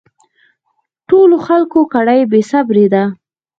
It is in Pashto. ټولو خلکو کړی بې صبري ده